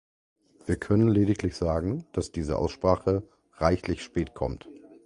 Wir können lediglich sagen, dass diese Aussprache reichlich spät kommt.